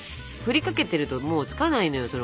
ふりかけてるともうつかないのよ。